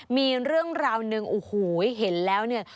มีเรื่องราวหนึ่งโอ้โหเห็นแล้วเนี่ย